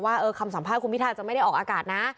คำสัมภาษณ์คุณพิทาจะไม่ได้ออกอากาศนะ